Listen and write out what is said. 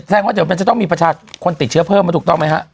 แสดงว่าจะต้องมีประชาชนคนติดเชื้อเพิ่มมาถูกต้องไหมฮะ